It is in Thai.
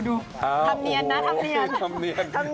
ทำเนียนทำเนียน